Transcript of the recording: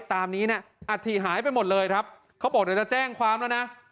ตามนี้นะอาถิหายไปหมดเลยครับเขาบอกเดี๋ยวจะแจ้งความแล้วนะ